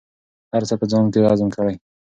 هر څه په ځان کې هضم کړئ.